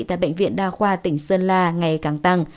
tại bệnh viện đa khoa tỉnh sơn la ngày càng tăng